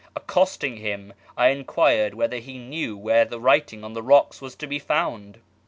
Accosting him, I enquired whether he knew where the writing on the rocks was to be found.